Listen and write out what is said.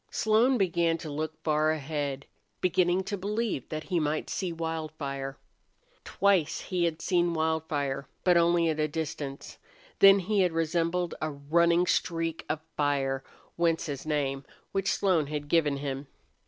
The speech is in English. Slone began to look far ahead, beginning to believe that he might see Wildfire. Twice he had seen Wildfire, but only at a distance. Then he had resembled a running streak of fire, whence his name, which Slone had given him.